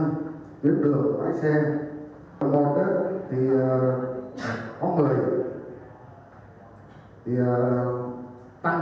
nguyên trụ sở và có sáu điểm hoạt động đón trả khách tại các khu vực cây xăng biến đường